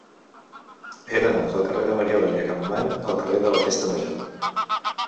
He d'anar del carrer de Maria Aurèlia Capmany al carrer de la Festa Major.